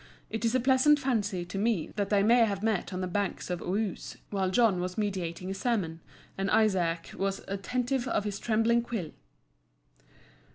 It is a pleasant fancy, to me, that they may have met on the banks of Ouse, while John was meditating a sermon, and Izaak was "attentive of his trembling quill."